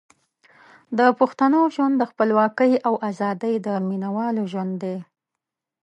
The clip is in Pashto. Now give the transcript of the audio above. د پښتنو ژوند د خپلواکۍ او ازادۍ د مینوالو ژوند دی.